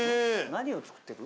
何を作ってる？